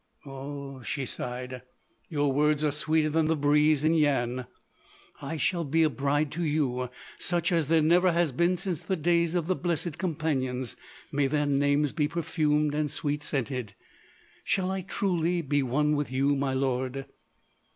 "Oh h," she sighed, "your words are sweeter than the breeze in Yian! I shall be a bride to you such as there never has been since the days of the Blessed Companions—may their names be perfumed and sweet scented!... Shall I truly be one with you, my lord?"